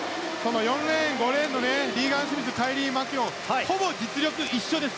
４レーン、５レーンのリーガン・スミスカイリー・マキュオンほぼ実力一緒です。